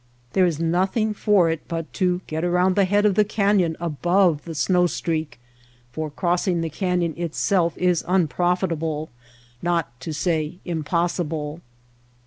There is nothing for it but to get around the head of the canyon above the snow streak, for crossing the canyon itself is unprofitable, not to say impossible.